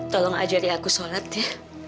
tolong ajari aku sholat ya